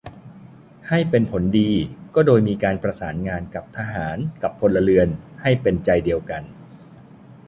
ให้เป็นผลดีก็โดยมีการประสานงานฝ่ายทหารกับพลเรือนให้เป็นใจเดียวกัน